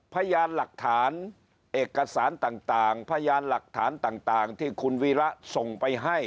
พยานหลักฐานเอกสารต่างพยานหลักฐานต่างที่คุณวีระส่งไปให้